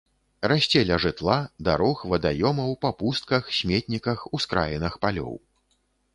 Расце ля жытла, дарог, вадаёмаў, па пустках, сметніках, ускраінах палёў.